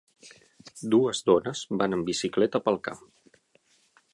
Dues dones van en bicicleta pel camp.